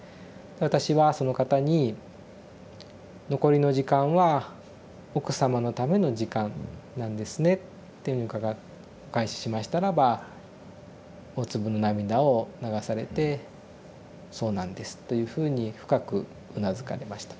私はその方に「残りの時間は奥様のための時間なんですね」ってお返ししましたらば大粒の涙を流されて「そうなんです」というふうに深くうなずかれました。